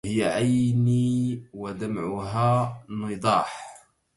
هي عيني ودمعها نضاح